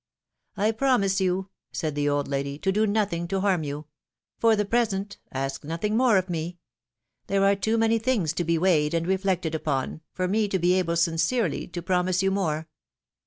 I promise you," said the old lady, to do nothing to harm you. For the present, ask nothing more of me; there are too many things to be weighed and reflected upon, for me to be able sincerely to promise you more."